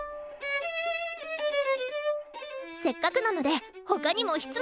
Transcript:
せっかくなので他にも質問。